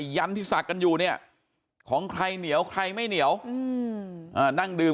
ยันที่ศักดิ์กันอยู่เนี่ยของใครเหนียวใครไม่เหนียวนั่งดื่ม